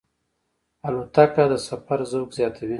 الوتکه د سفر ذوق زیاتوي.